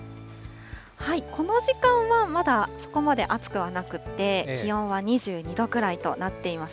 この時間はまだそこまで暑くはなくて、気温は２２度くらいとなっています。